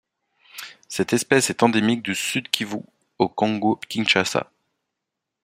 Cette espèce est endémique du Sud-Kivu au Congo-Kinshasa.